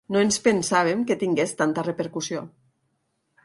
No ens pensàvem que tingués tanta repercussió.